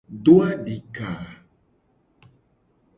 Do adika.